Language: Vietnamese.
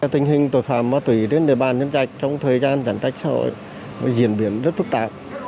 tình hình tội phạm ma túy trên địa bàn nhân trạch trong thời gian giãn cách xã hội diễn biến rất phức tạp